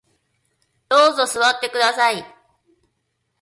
どうぞ座ってください